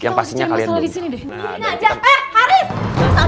karena akhirnya aku maafkan penataan